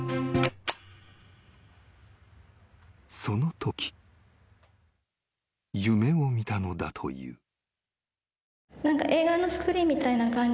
［そのとき夢を見たのだという］